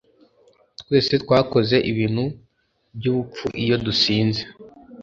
Twese twakoze ibintu byubupfu iyo dusinze